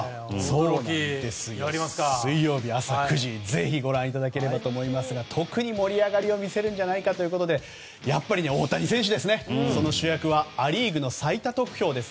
水曜日、朝９時ぜひご覧いただければと思いますが特に盛り上がりを見せるんじゃないかということでやっぱり大谷選手その主役はア・リーグの最多得票です。